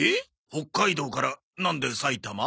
北海道からなんで埼玉？